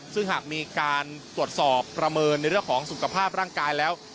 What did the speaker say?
ซึ่งหากมีการตรวจสอบประเมินในเรื่องของสุขภาพร่างกายแล้ว